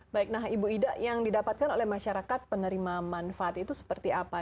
baik nah ibu ida yang didapatkan oleh masyarakat penerima manfaat itu seperti apa